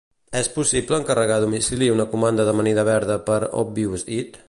És possible encarregar a domicili una comanda d'amanida verda per ObviousEat?